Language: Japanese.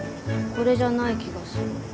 これじゃない気がする。